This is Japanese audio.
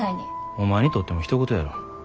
お前にとってもひと事やろ。